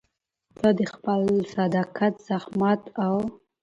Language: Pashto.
ته د خپل صداقت، زحمت او